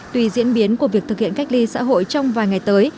tùy diễn biến của việc thực hiện cách ly xã hội trong vài ngày tới